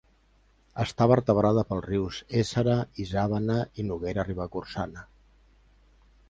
Està vertebrada pels rius Éssera, Isàvena i Noguera Ribagorçana.